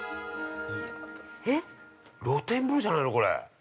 ◆露天風呂じゃないの、これ。